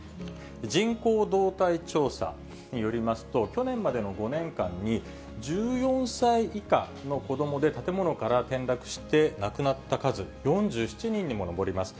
人口動態調査によりますと、去年までの５年間に１４歳以下の子どもで、建物から転落して亡くなった数、４７人にも上ります。